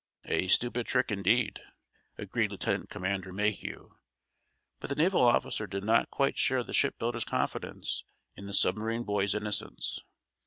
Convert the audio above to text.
"A stupid trick, indeed," agreed Lieutenant Commander Mayhew, but the naval officer did not quite share the shipbuilder's confidence in the submarine boy's innocence.